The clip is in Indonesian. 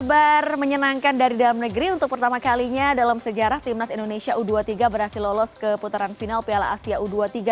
kabar menyenangkan dari dalam negeri untuk pertama kalinya dalam sejarah timnas indonesia u dua puluh tiga berhasil lolos ke putaran final piala asia u dua puluh tiga